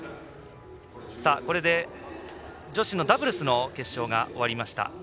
これで、女子のダブルスの決勝が終わりました。